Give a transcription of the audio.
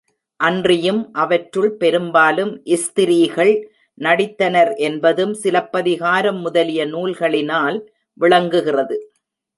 அன்றியும் அவற்றுள் பெரும்பாலும் ஸ்திரீகள் நடித்தனர் என்பதும், சிலப்பதிகாரம் முதலிய நூல்களினால் விளங்குகிறது.